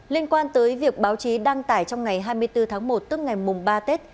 liên quan tới việc báo chí đăng tải trong ngày hai mươi bốn tháng một tức ngày mùng ba tết